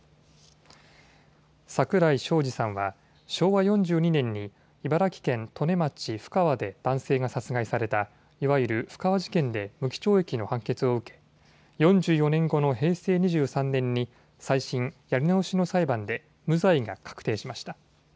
桜井昌司さんは昭和４２年に茨城県利根町布川で男性が殺害されたいわゆる布川事件で無期懲役の判決を受け４４年後の平成２３年に再審・やり直しの裁判で無罪が確定しました。